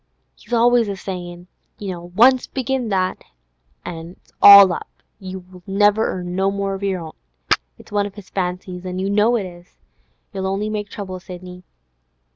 He's always a saying: "Once begin that, an' it's all up; you never earn no more of your own." It's one of his fancies, an' you know it is. You'll only make trouble, Sidney.